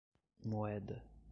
Moeda